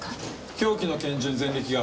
凶器の拳銃に前歴が。